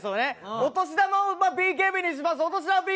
お年玉をＢＫＢにします。